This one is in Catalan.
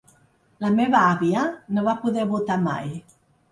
La meva àvia no va poder votar mai.